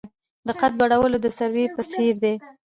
د قد لوړوالی د سروې په څیر دی.